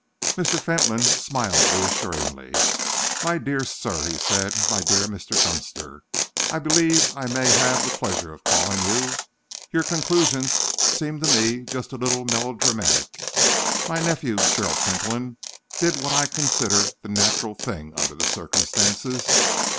Mr. Fentolin smiled reassuringly. "My dear sir," he said, "my dear Mr. Dunster, I believe I may have the pleasure of calling you your conclusions seem to me just a little melodramatic. My nephew Gerald Fentolin did what I consider the natural thing, under the circumstances.